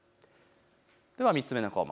では３つ目の項目。